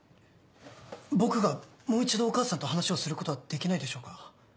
僕がもう一度お母さんと話をすることはできないでしょうか。